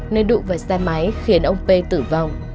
nên đụng vào xe máy khiến ông p tử vong